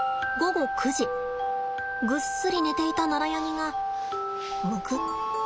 ぐっすり寝ていたナラヤニがむくっ。